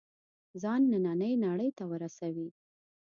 ځان نننۍ نړۍ ته ورسوي.